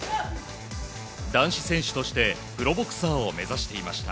男子選手としてプロボクサーを目指していました。